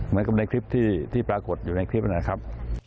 เหมือนกับในคลิปที่ปรากฏอยู่ในคลิปนะครับ